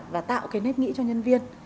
và tạo cái nếp nghĩ cho nhân viên